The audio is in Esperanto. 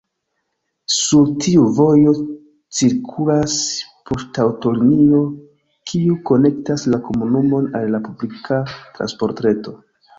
Sur tiu vojo cirkulas poŝtaŭtolinio, kiu konektas la komunumon al la publika transportreto.